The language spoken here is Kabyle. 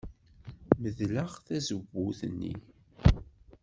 Medleɣ tazewwut-nni.